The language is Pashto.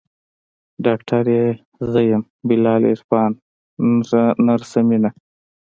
ډاکتر يې زه يم بلال عرفان نرسه مينه.